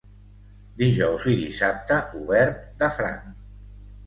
Dijous i dissabte, obert de franc.